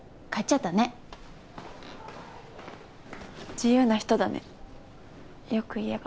自由な人だね良く言えば。